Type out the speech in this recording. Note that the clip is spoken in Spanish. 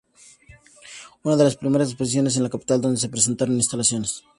Una de las primeras exposiciones en la capital donde se presentaron instalaciones.